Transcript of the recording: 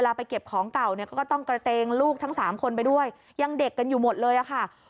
ไปเก็บของเก่าเนี่ยก็ต้องกระเตงลูกทั้งสามคนไปด้วยยังเด็กกันอยู่หมดเลยอะค่ะ